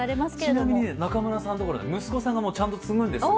ちなみに中村さんのところは息子さんがちゃんと継ぐんです。